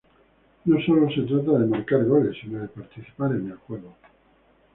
No sólo se trata de marcar goles, sino de participar en el juego.